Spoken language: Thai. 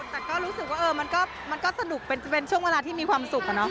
แต่ก็รู้สึกว่ามันก็สนุกจะเป็นช่วงเวลาที่มีความสุขอะเนาะ